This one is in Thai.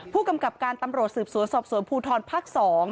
ผู้กำกับการตำรวจสืบสวนสอบสวนภูทรภาค๒